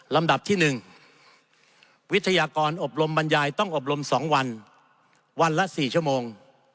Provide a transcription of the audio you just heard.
ลำดับที่๑วิทยากรอบรมบรรยายต้องอบรม๒วันวันละ๔ชั่วโมง